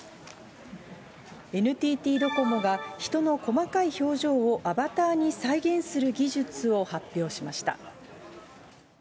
ＮＴＴドコモが、人の細かい表情をアバターに再現する技術を発表しました。